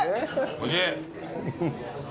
おいしい。